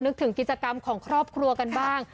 ถึงกิจกรรมของครอบครัวกันบ้าง